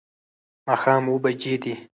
ماښام اووه بجې دي